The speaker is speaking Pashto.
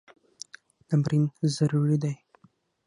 تمرین ضروري دی.